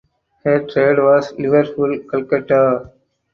Her trade was Liverpool–Calcutta.